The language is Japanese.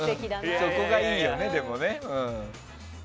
そこがいいよね、でもね。